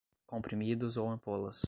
comprimidos ou ampolas